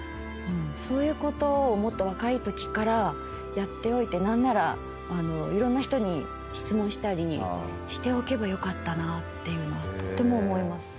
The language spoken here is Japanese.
そういうことをもっと若いときからやっておいて何ならいろんな人に質問したりしておけばよかったなってのはとっても思います。